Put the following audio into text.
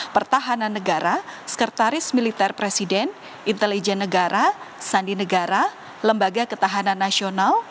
pertahanan negara sekretaris militer presiden intelijen negara sandi negara lembaga ketahanan nasional